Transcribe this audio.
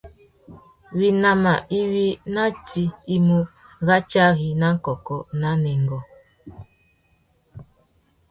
Winama iwí ná tsi i mú ratiari na kôkô na nêngô.